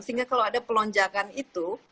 sehingga kalau ada pelonjakan itu